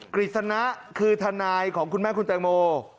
กริจชนะคือทำลายของคุณแม่คุณเติมโม